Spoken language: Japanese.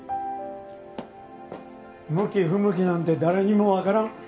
向き不向きなんて誰にもわからん。